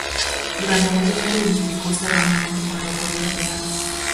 Durante moito tempo identificouse erroneamente con Lopo Díaz de Haro.